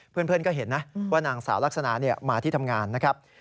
เพื่อนก็เห็นนะว่านางสาวลักษณะมาที่ทำงานนะครับ